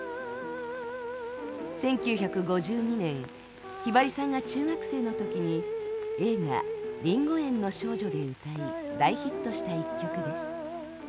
１９５２年ひばりさんが中学生の時に映画「リンゴ園の少女」で歌い大ヒットした一曲です。